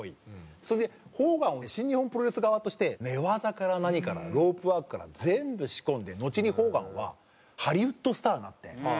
それでホーガンを新日本プロレス側として寝技から何からロープワークから全部仕込んでのちにホーガンはハリウッド・スターになって